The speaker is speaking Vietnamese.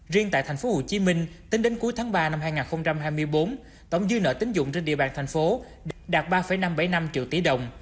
riêng tại thành phố hồ chí minh tính đến cuối tháng ba năm hai nghìn hai mươi bốn tổng dư nợ tín dụng trên địa bàn thành phố đạt ba năm trăm bảy mươi năm triệu tỷ đồng